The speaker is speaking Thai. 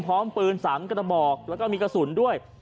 พร้อมปืน๓กระบอกแล้วก็มีกระสุนด้วย